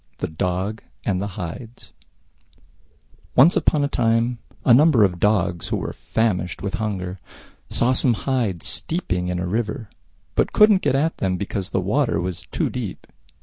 THE DOGS AND THE HIDES Once upon a time a number of Dogs, who were famished with hunger, saw some Hides steeping in a river, but couldn't get at them because the water was too deep.